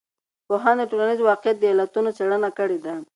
پوهانو د ټولنیز واقعیت د علتونو څېړنه کړې ده.